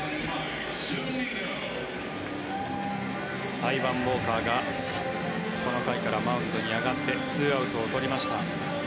タイワン・ウォーカーがこの回からマウンドに上がって２アウトを取りました。